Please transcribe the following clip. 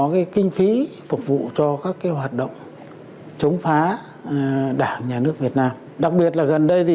kinh phí phục vụ cho các cái hoạt động chống phá đảng nhà nước việt nam đặc biệt là gần đây thì